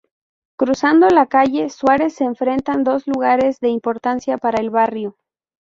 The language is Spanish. Cruzando la calle Suárez se enfrentan dos lugares de importancia para el barrio.